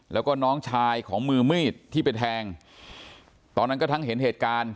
แล้วก็น้องชายของมือมีดที่ไปแทงตอนนั้นก็ทั้งเห็นเหตุการณ์